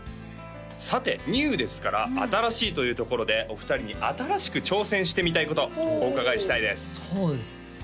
さて「Ｎｅｗ」ですから新しいというところでお二人に新しく挑戦してみたいことお伺いしたいですそうですね